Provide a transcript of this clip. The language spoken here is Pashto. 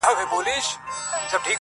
ستا د ژبې کيفيت او معرفت دی.